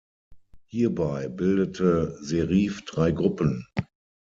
Hierbei bildete Şerif drei Gruppen.